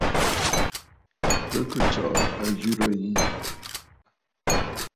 Bɨ kɨ̀ tsɔʼɔ àzɨrə̀ yi.